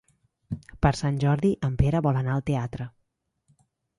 Per Sant Jordi en Pere vol anar al teatre.